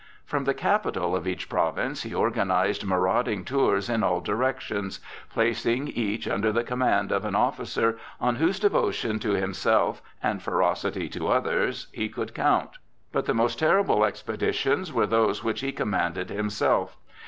From the capital of each province he organized marauding tours in all directions, placing each under the command of an officer on whose devotion to himself and ferocity to others he could count. But the most terrible expeditions were those which he commanded himself.